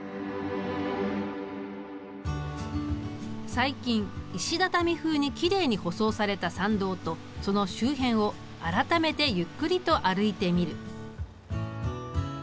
最近石畳風にきれいに舗装された参道とその周辺を改めてゆっくりと歩いてみる。